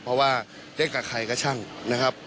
เพราะว่าเล่นกับใครก็ช่างนะครับ